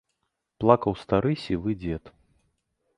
Плакаў стары сівы дзед.